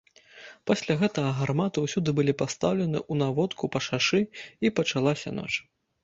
Пасля гэтага гарматы ўсюды былі пастаўлены ў наводку па шашы, і пачалася ноч.